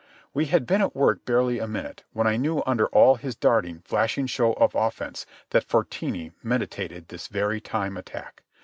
We had been at work barely a minute, when I knew under all his darting, flashing show of offence that Fortini meditated this very time attack.